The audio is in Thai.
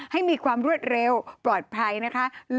ให้มีความรวดเร็วปลอดภัยนะคะ